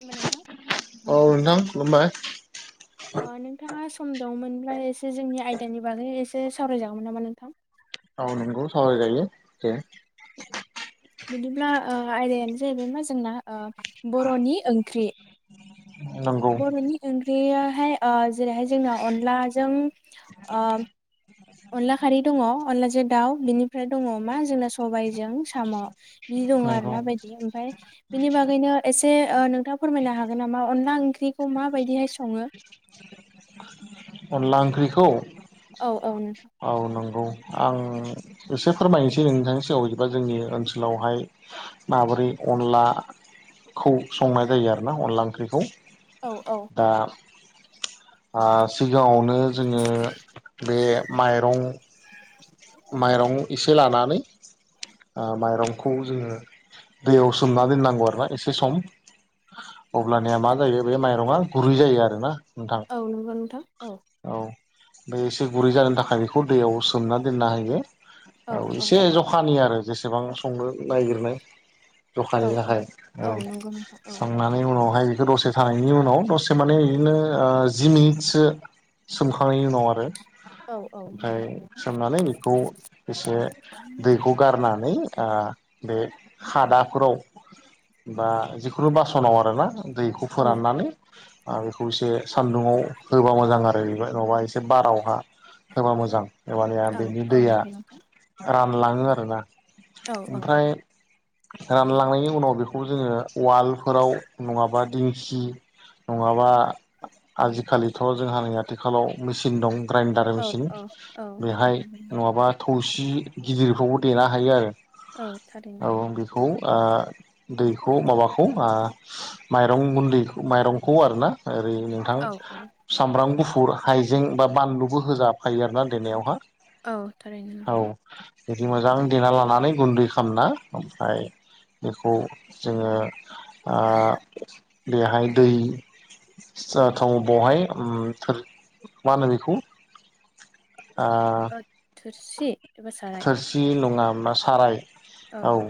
खुलुमबाय नोंथां औ नोंथां खुलुमबाय ओ नोंथाङा सम दंमोनब्ला एसे जोंनि आयदानि बागै एसे सावरायजागौमोन नामा नोंथां? औ नोंगौ सावराय जायो दे। बिदिब्ला ओ आयदायानो जाहैबाय मा जोंना ओ बर'नि ओंख्रि। नंगौ बर'नि ओं ख्रियाहाय ओ जेरैहाय जोंना अनलाजों ओ अनला खारै दङ अनलाजों दाउ बिनिफ्राय दङ मा जोंना सबायजों साम'। बिदि दङ आरो नंगौ ना बायदि ओमफ्राय बिनि बागैनो एसे से ओ नोंथां फोरमायनो हागोन नामा अनला ओंख्रिखौ माबायदिहाय सङो? अनला ओंख्रिखौ? औ औ नोंथां। औ नंगौ आं एसे फोरमायनोसै नोंथांनि सिगाङाव बिदिबा जोंनि ओनसोलावहाय माबोरै अनलाखौ संनाय जायो आरोना अनला ओंख्रिखौ। औ औ आरो सिगाङावनो जोङो बे माइरं माइरं इ से लानानै ओ माइरंखौ जोङो दैयाव सोमना दोननांगौ आरोना एसे सम अब्लानिया मा जायो बे माइरङा गुरै जायो आरोना नोंथां औ नंगौ नोंथां औ बे एसे गुरै जनो थाखाय बेखौ दैयाव सोमना दोनना होयो औ एसे जखानि आरो जेसेबां संनो नागिरनाय औ जखानि औ थाखाय औ नंगौ नोंथां औ संनानै उनावहाय बे दसे थांनि उनाव दसे माने इदिनो ओ जि मिनिटसो सोमखांनायनि उनाव आरो औ औ ओमफ्राय नंगौ नोंथां सोमनानै बेखौ एसे दैखौ गारनानै ओ बे खादाफोराव बा जिखुनु बासनाव आरोना दैखौ औ औ फोराननानै बेखौ एसे सानदुङाव होबा मोजां आरो। जाहैबाय नङाबा एसे बारावहा होबा मोजां औ बिनि औ दैया नंगौ नोंथां रान लाङो आरोना। औ औ ओमफ्राय रानलांनायनि उनाव बेखौ जोङो उवालफोराव नङाबा दिंखि नङाबा आजिखालिथ' जोंहा नैया आथिखालाव मेसिन दं ग्राइडार औ मेसिन औ औ बेहाय नंगौ नङाबा थौसि गिदिरखौबो देनो हायो आरो। औ थारैनो। खौ ओ दैखौ माबाखौ ओ माइरं गुन्दै माइरंखौ आरोना ओरै नोंथां औ औ सामब्राम गुफु फुर हाइजें बा बानलुबो होजाफायो आरोना देनायावहा औ थारैनो औ नोंथां। बिदि मोजां देना लानानै गुन्दै खालामना ओमफ्राय बेखौ जोङो ओ बेहाय दै [unintelligible] बेहाय उम सोर मा होनो बेखौ ओ थोरसि एबा साराय थोरसि नङा मा साराय औ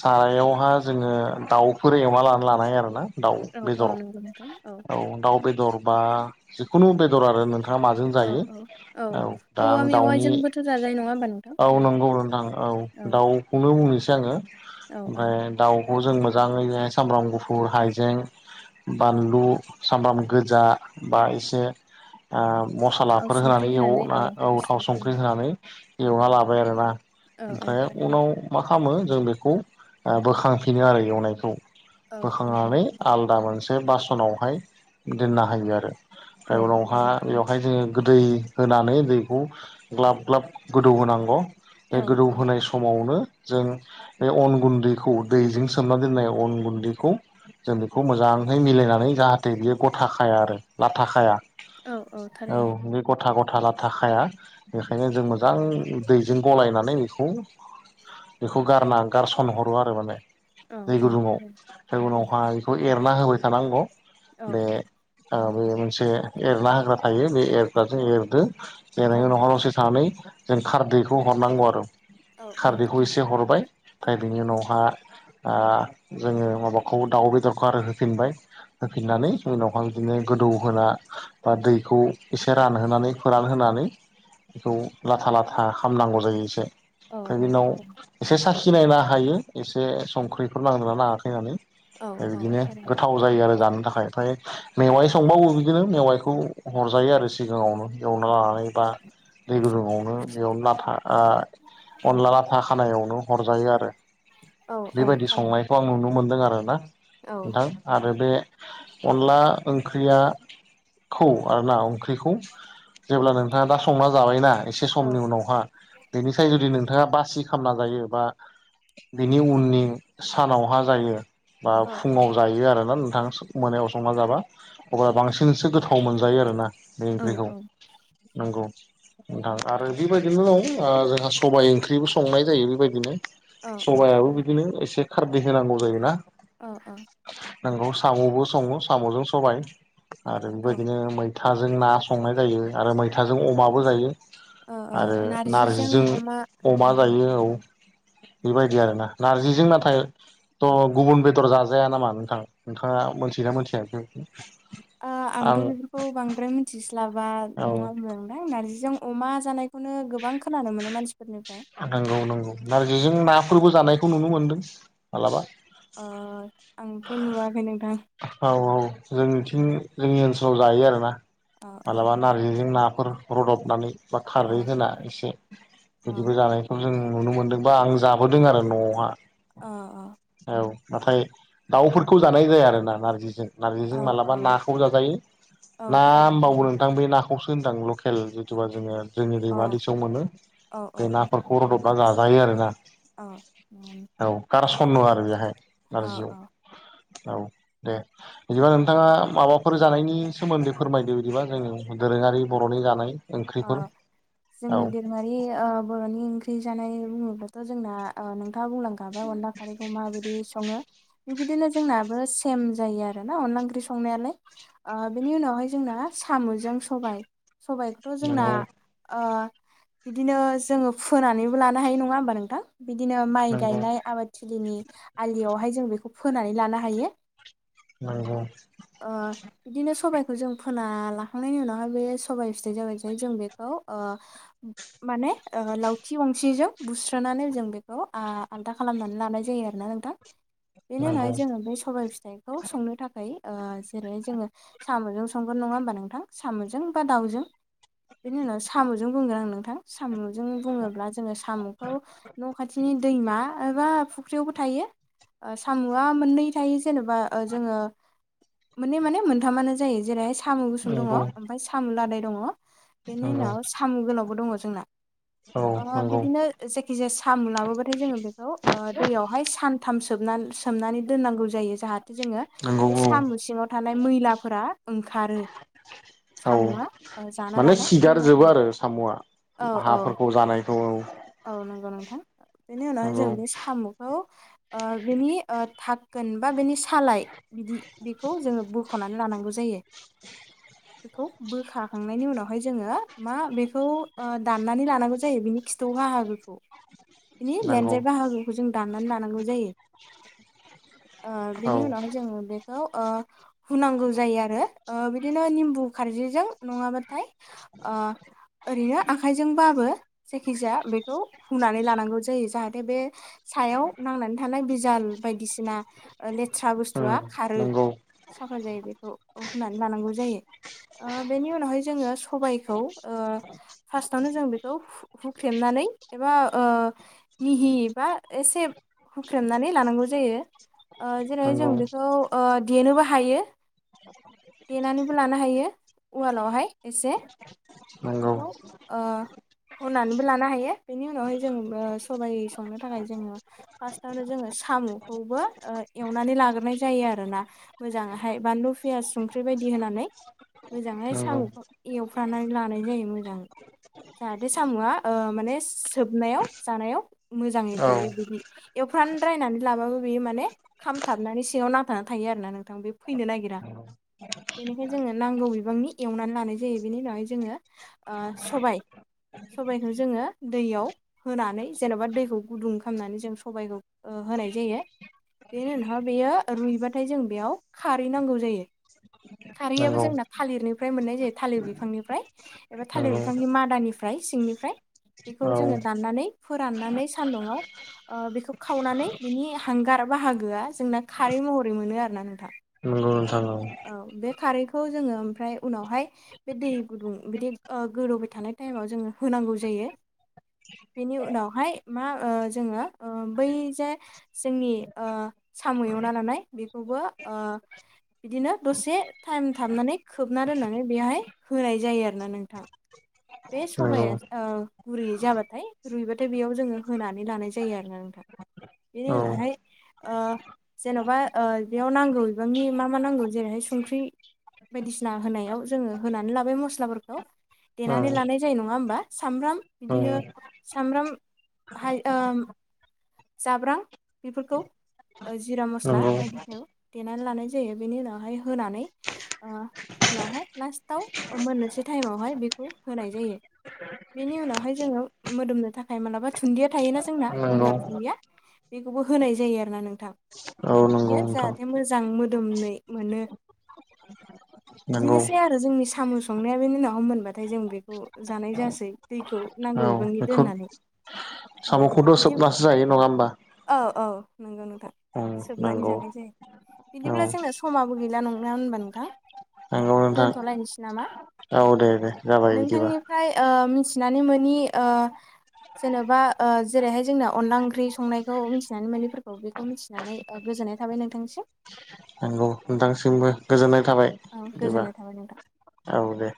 सारायावहा जोङो दाउफोर एमा लानानै लानाय आरोना दाउ औ औ बेदर नंगौ नोंथां औ दाउ बेदर बा जिखुनु बेदर आरो नों थाङा माजों औ जायो औ औ दा औवा आं दाउनि मेवाइजोंबोथ' जाजायो नङा होमबा नोंथां औ नंगौ नोंथां औ दाउखौनो बुंनोसै आङो औ औ ओमफ्राय दाउखौ जों मोजाङैय सामब्राम गुफुर हायजें बानलु सामब्राम गोजा बा एसे ओ थाव मसलाफोर संख्रि होनानै एवना औ थाव मस्लाफोर संख्रि होना होनानै एवना लाबाय आरोना औ औ ओमफ्राय थारैनो उनाव मा खालामो जों बेखौ ओ बोखांफिनो आरो एवनायखौ। औ नंगौ बोखांनानै आलदा मोनसे बासनावहाय दोननो हायो आरो। औ ओमफ्राय उनावहा नंगौ थारैनो बेवहाय जोङो गोदै होनानै दैखौ ग्लाब ग्लाब गोदौ होनांगौ बे औ गोदौ औ होनोनाय समावनो जों बे अन गुन्दैखौ दैजों सोमना दोननाय अन गुन्दैखौ जों बेखौ मोजां हैय मिलायनानै जाहाथे बियो गथाखाया आरो लाथाखाया औ औ थारैनो बे गथा गथा लाथा खाया बेखायनो जों मोजां मोजां दैजों गलायनानै बेखौ बेखौ गारना गारसनहरो आरो माने। औ दै औ गुदुङाव थारैनो दैगुदुआवहा बेखौ एरना होबाय थानांगौ औ बे ओ बे मोनसे एरना होग्रा थायो बे एरग्राजों एरदो जेरै औ [unintelligible] दसे थानानै जों खारदैखौ हरनांगौ आरो औ औ खारदैखौ थारैनो एसे हरबाय ओमफ्राय बेनि उनावहा जोङो माबाखौ दाउ बेदरखौ आरो होफिनबाय होफिननानै जोंनावहाय बिदिनो गोदौहोना बा दैखौ एसे रानहोनानै फोरानहोना होनानै बेखौ लाथा लाथा खामनांगौ जायो एसे औ ओमफ्राय बि औ उनाव थारैनो एसे साखि नायनो हायो एसे संख्रिफोर नांदोंना नाङाखै औ होननानै। औ बिदिनो थारैनो गोथाव जायो आरो जानो। बेनि थाखाय ओमफ्राय मेवाइ संबावो बिदिनो मेवाइखौ हरजायो आरो सिगाङावनो एवना लानानै बा दै गुदुुंआवनो बेयावनो लाथा अनला लाथा खानायावनो हरजायो आरो औ औ बेबायदि थारैनो संनायखौ आं नुनो मोनदों आरोना औ नोंथां आरो बे अनला ओंख्रिया खौ आरोना ओंख्रिखौ जेब्ला नोंथाङा दा संना जाबायना एसे औ समनि उनावहा बेनिफ्राय जुदि नों नोंथाङा बासि खालामामना जायो बा बिनि उननि सानावहा जायो बा औ फुङाव जायो आरो ना गोथां मोनायाव संना जाबा अब्ला बांसिनसो गोथाव मोनजायो आरो ना बे औ ओंख्रिखौ नंगौ नोंथां आरो बेबायदिनो दं जोंहा सबायाइ ओंख्रिबो संनाय जायो बेबायदिनो औ औ सबायआबो थारैनो बिदिनो एसे खारदै होनांगौ जायोना औ औ नंगौ साम'बो सङो साम'जों सबाय आरो औ बेबायदिनो मैथाजों ना संनाय जायो आरो मैथाजों अमाबो जायो औ औ आरो नारजिजों अमा औ अमा जायो औ बेबायदि आरोना ओ नारजिजों नाथाय थ' गुबुन बेदर जाजाया नामा नोंथां नोंथाङा मोनथियोना मिथिया बेनो आंथ' बेफोरखौ बांद्राय मिथिस्लाबा औ नङा नोंथां नार्जिजों अमा जानाय बेखौनो गोबां खोनानो मोनो मानसिफोरनि नंगौ नंगौ नारजिजों नाफोरबो जानायखौ नुनो मोनदों मालाबा ओ आंथ' नुवाखै नोंथां औ औ जों बेथिं जोंनि ओनसोलाव जायो आरोना अ अ मालाबा नारजिजों नाफोर रुदबनानै बा अ खारै अ होना एसे औ बिदिबो जानायखौ जों नुनो मोनदोंबा आं जाबोदों आरो न'आवहाय ओ ओ औ नाथाय दाउफोरखौ जानाय जाया आरो ना नारजिजों औ नारजिजों मालाबा औ नाखौ जाजायो औ ना होमबावो थारैनो नोंथां बे नाखौ दोनदां लकेल जिथुबा जोङो जोंनि औ दैमा दैसायाव मोनो औ औ बे औ नाफोरखौ रुदबना जायो आरो ना औ ओ खन्न' आरो बेहाय नारजियाव औ दे बिदिबा नोंथाङा माबाफोर जानायनि सोमोन्दै फोरमायदो बिदिबा जोंङो दोरोङारि बर'नि जानाय ओंख्रिफोर औ जोंनि दोरोङारि बर'नि ओंख्रि जानाय बुङोब्लाथ' जोंना नोंथाङा बुंलांखाबाय अनला खारैखौ माबायदि सङो बिबायदिनो जोंनाबो सेम जायो आरो ना अनला ओंख्रि संनायालाय बेनि उनावहाय जोंना साम'जों सबाय सबाय थ' जोंना नंगौ औ बिदिनो जोङो फोनानैबो लानो हायो नङा होमबा नोंथां बिदिनो माइ नंगौ गायनाय आबादथिलिनि आलियावहाय जों बेखौ फोनानै लानो हायो नंगौ ओ बिदिनो सबाइ खौ जों फोना लाखांनायनि उनावहाय बे सबाय फिथाइ जाबाय जे बेखौ माने लावथि गंसिजों बुस्रोनानै जों बेखौ आ आलदा खालामनानै लानाय जायो आरोना नोंथां बेनि नंगौ उनावहाय जोङो बे सबाइ फिथाइखौ संनो थाखाय ओ जेरैहाय जोङो साम'जों संगोन नङा होमबा नोंथां साम'जों बा दाउजों बेनि उनाव साम'जों बुंगोन आं नोंथां साम'जों बुङोब्ला जोङो साम'खौ न' खाथिनि दैमा एबा फुख्रियावबो थायो साम'आ मोननै थायो जेनेबा जोङो मोननै माने मोनथामानो जायो जेरै साम' गुसुं दङ नंगौ ओमफ्राय साम' लादाय दङ बेनि नंगौ उनाव साम' गोलावबो दङ जोंना औ [unintelligible] ओ नंगौ बिदिनो जायखि -जाया साम' लाबोबाथाय, जोङो बेखौ ओ दैयावहाय सानथाम [unintelligible] [unintelligible] सोमनानै दोननांगौ जायो जाहा [unintelligible] जोङो बे नंगौ साम' सिङाव थानाय मैलाफोरा ओंखारो। औ सामुआ माने सिगारजोबो आरो साम'आ। औ औ हाफोरखौ जानायखौ औ औ नंगौ नोंथां। बेनि उनावहाय जों नंगौ बे साम'खौ [unintelligible] बिनि थाखोन बा बेनि सालाय बिदि, बेखौ जोङो बख'नानै लानांगौ जायो बेखौ बोखा खांनायनि उनावहाय जोङो मा बेखौ दाननानै लानांगौ जायो। बिनि खिथौ बाहागोखौ बिनि नंगौ लेनजाय बाहागोखौ जों दाननानै लानांगौ जायो। ओ औ बिनि उनावहाय जोङो बे [unintelligible] ओ हुनांगौ जायो आरो बिदिनो निमबु खारजिजों नङाबा [unintelligible] ओरैनो आखाइजोंबाबो जायखि-जाया बेखौ हुनानै लानांगौ जायो। जाहाथे बे सायाव नांनानै थानाय [unintelligible] [unintelligible] बायदिसिना लेथ्रा उम बुस्थुआ खारो नंगौ साफा जायो। बेखौ हुनानै लानांगौ जायो। ओ बेनि उनावहाय जोङो सबायखौ ओ पार्सटावनो जों बेखौ हु -हुख्रेमनानै एबा बा ओ मिहि बा एसे हुख्रेमनानै लानांगौ जायो। ओ जेरै जों नंगौ बेखौ ओ देनोबो हायो। देनानैबो लानो हायो। उवालावहाय एसे नोंगौ। बेखौ ओ। हुनानैबो लानो हायो। बेनि उनावहाय जों सबाइ संनो थाखाय जोङो फार्स्टआवनो जोङो साम'खौबो एवनानै लाग्रोनाय जायो आरोना। मोजाङैहाय बानलु फियास संख्रि बायदि बायदि होनानै मोजाङै नंगौ साम'खौ एवफ्रानानै लानाय जायो मोजांङै। जाहाथे साम'आ ओ माने सोबनायाव जानायाव मोजाङै औ गयो। बिदि एवफ्रान द्रायनानै लाबाबो बेयो माने खामथाबनानै, सिङाव नांथानानै थायो आरोना, नोंथां बे फैनो नागिरा। नंगौ बेनिखायनो जोंनो नांगौ [unintelligible] [unintelligible] एवनानै लानाय जायो। बेनि उनावहाय जोङो ओ सबाय सबायखौ जोङो दैयाव होनानै जेन'बा दैखौ गुदुं खालामनानै जों सबायखौ ओ होनाय जायो। बेनि उनाव बेयो रुइबाथाय जों बेयाव खारै नांगौ जायो। खारैयाबो जोंना थालिरनिफ्राय मोननाय जायो। थालिर बिफांनिफ्राय एबा थालिर नंगौ बिफांनि मादानिफ्राय सिंनिफ्राय बेखौ औ जोङो दाननानै, फोराननानै सान्दुङाव बेखौ खावनानै बिनि हांगार बाहागोआ जोंना खारै महरै मोनो आरो ना नोंथां। नंगौ नोंथां औ बे खारैखौ जोङो, ओमफ्राय उनावहाय बे दै गुदुं बिदि गोदौबाय थानाय टाइमाव जोङो होनांगौ जायो। बेनि उनावहाय मा ओ जोङो बै जे जोंनि ओ साम' एवना लानाय बेखौबो ओ बिदिनो दसे टाइम थाबनानै खोबना दोननानै बेवहाय होनाय जायो आरोना नोंथां। बे नंगौ सबाया ओ गुरैयै जाबाथाय, रुइबाथाय बेयाव जोङो होनानै लानाय जायो आरोना नोंथा। बि औ उनावहाय ओ जेन'बा ओ बेयाव नांगौ बिबांनि मा- मा नांगौ जेरैहाय संख्रि बायदिसिना होनायाव जोङो होनानै लाबाय मस्लाफोरखौ औ देनानै लानाय जायो नङा होमबा? सामब्राम नंगौ बिदिनो सामब्राम हाय ओ जाब्रां बेफोरखौ जिरा मस्ला नंगौ बायदिखौ देनानै लानाय जायो। बेनि उनावहाय होनानै ओ उनावहाय लास्टाव मोननोसै टाइमावहाय बेखौ होनाय जायो। बेनि उनावहाय जोङो मोदोमनो थाखाय मालाबा थुनन्दिया थायोना जोंना औ गंगार गैया बेखौबो होनाय जायो आरो ना नोंथां। नंगौ बियो नोंथां जाहाथे मोजां मोदोमनाय मोनो। नंगौ बिदिनोसै आरो जोंनि साम संनाया बेनि उनाव मोनबाथाय जों बेखौ जानाय जासै दैखौ नांगौ औ नांगौ बिबांनि बेखौ दोननानै ओ साम'खौथ सोबनासो जायो नंङा होमबा? नोंगौ नोंगौ नोंथां उम सोबनानै नंगौ जानाय जायो। औ बिदिब्ला जोंना समाबो गैला नंङा होनबा नोंथां नंगौ नोंथां दोनथलायनोसै नामा? औ दे दे जाबाय बिदिबा नोंथांनिफ्राय ओ मिथि नानै मोनि ओ जेनबा ओ जेरैहाय जोंनाव अनला ओंख्रि संनायखौ मिथिनानै मोनैफोरखौ बेखौ मिथिनानै ओ गोजोननाय थाबाय नोंथांसिम। नंगौ। औ नोंथांसिमबो गोजोननाय थाबाय औ बिदिबा गोजोननाय थाबाय नोंथां औ दे।